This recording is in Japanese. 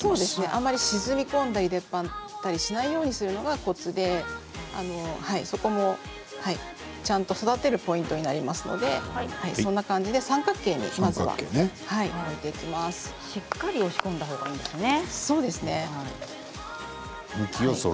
あまり沈み込んだり出っ張ったりしないようにするのがコツでそこもちゃんと育てるポイントになりますのでそんな感じで三角形にしっかり押し込んだ方がそうですね。